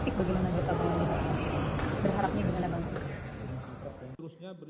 tapi untuk sidang etik bagi anggota polisi berharapnya bisa menanggung